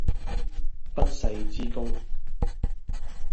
不世之功